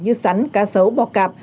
như rắn cá sấu bò cạp